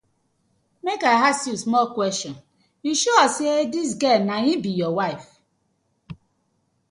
Mek I ask yu small question, yu sure say dis gal na im be yur wife?